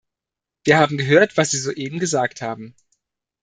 Wir haben gehört, was Sie soeben gesagt haben.